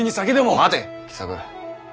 待て喜作。